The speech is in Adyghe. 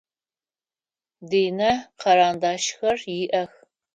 Динэ карандашхэр иӏэх.